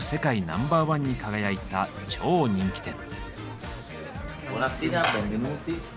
ナンバーワンに輝いた超人気店。